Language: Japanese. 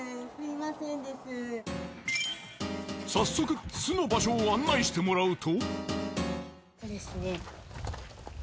早速巣の場所を案内してもらうと。